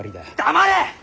黙れ！